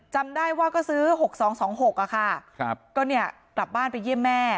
จำได้ว่าก็ซื้อ๖๒๒๖อะค่ะก็เนี่ยกลับบ้านไปเยี่ยมแม่